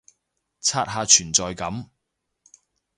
刷下存在感